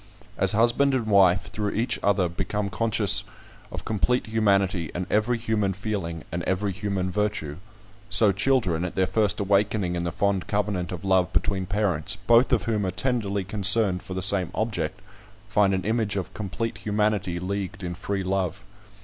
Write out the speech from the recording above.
As husband and wife, through each other become conscious of complete humanity, and every human feeling, and every human virtue; so children, at their first awakening in the fond covenant of love between parents, both of whom are tenderly concerned for the same object, find an image of complete humanity leagued in free love.